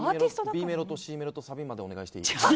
ＢメロとＣメロとサビまでお願いします。